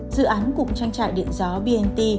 dự án cụm trang trại điện gió bnt